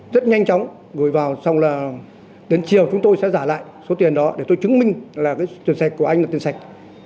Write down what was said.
rất nhanh chóng gửi vào xong là đến chiều chúng tôi sẽ giả lại số tiền đó để tôi chứng minh là cái chuẩn sạch của anh là tiền sạch